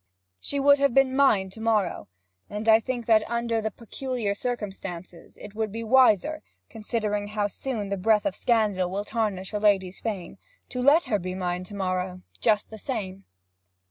'She would have been mine to morrow. And I think that under the peculiar circumstances it would be wiser considering how soon the breath of scandal will tarnish a lady's fame to let her be mine to morrow, just the same.'